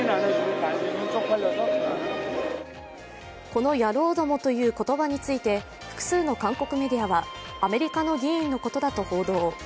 「この野郎ども」という言葉について複数の韓国メディアは、アメリカの議員のことだと報道。